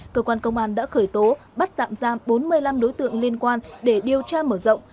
cơ quan công an đã khởi tố bắt tạm giam bốn mươi năm đối tượng liên quan để điều tra mở rộng